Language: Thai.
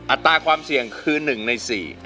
อัตราความเสี่ยงคือ๑ใน๔